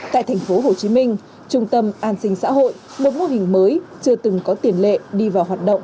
tại thành phố hồ chí minh trung tâm an sinh xã hội một mô hình mới chưa từng có tiền lệ đi vào hoạt động